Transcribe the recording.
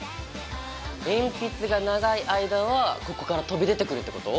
鉛筆が長い間はここから飛び出てくるってこと？